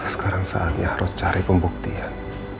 sekarang saatnya harus cari pembuktian